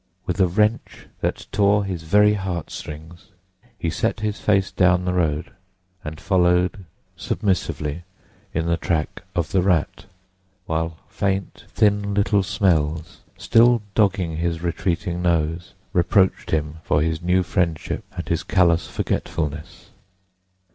With a wrench that tore his very heartstrings he set his face down the road and followed submissively in the track of the Rat, while faint, thin little smells, still dogging his retreating nose, reproached him for his new friendship and his callous forgetfulness.